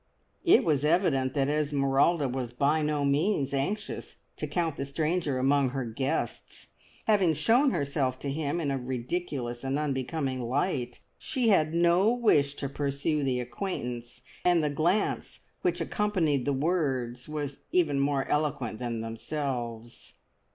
It was evident that Esmeralda was by no means anxious to count the stranger among her guests. Having shown herself to him in a ridiculous and unbecoming light, she had no wish to pursue the acquaintance, and the glance which accompanied the words was even more eloquent than themselves.